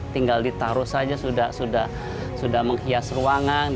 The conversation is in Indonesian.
tinggal ditaruh saja sudah menghias ruangan